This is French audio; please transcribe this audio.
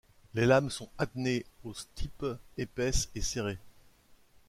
Les lames sont adnées au stipe, épaisses et serrées.